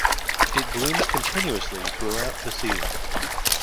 It blooms continuously throughout the season.